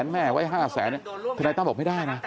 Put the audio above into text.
แม่ไว้๕แสนทนายตั้มบอกไม่ได้นะ